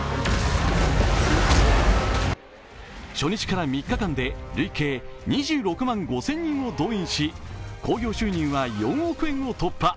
初日から３日間で累計２６万５０００人を動員し興行収入は４億円を突破。